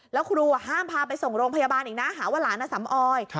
แล้วครูห้ามพาไปส่งโรงพยาบาลอีกนะหาว่าหลานสำออย